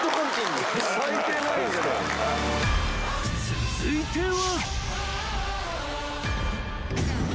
［続いては］